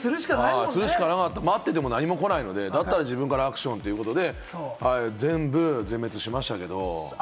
待ってても何も来ないので、だったら自分からアクションということで、全部全滅しましたけれども。